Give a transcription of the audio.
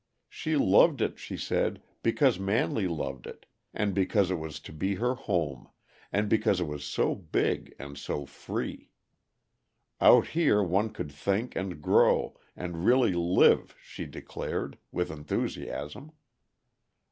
She loved it, she said, because Manley loved it, and because it was to be her home, and because it was so big and so free. Out here one could think and grow and really live, she declared, with enthusiasm.